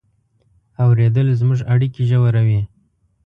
اورېدل زموږ اړیکې ژوروي.